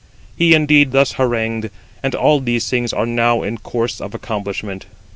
He indeed thus harangued: and all these things are now in course of accomplishment.